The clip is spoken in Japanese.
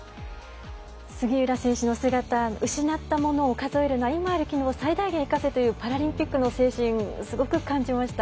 杉浦選手の姿失ったものを数えるのは今あるものを最大限に生かすというパラリンピックの精神を感じました。